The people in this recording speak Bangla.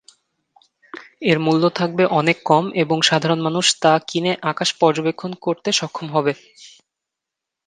এর মূল্য থাকবে অনেক কম এবং সাধারণ মানুষ তা কিনে আকাশ পর্যবেক্ষণ করতে সক্ষম হবে।